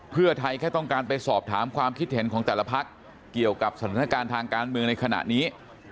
เพื่อไทยแค่ต้องการไปสอบถามความคิดเห็นของแต่ละพักเกี่ยวกับสถานการณ์ทางการเมืองในขณะนี้